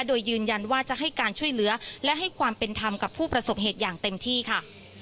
โดยยืนยันว่าจะให้การช่วยเหลือและให้ความเป็นธรรมกับผู้ประสบเหตุอย่างเต็มที่ค่ะ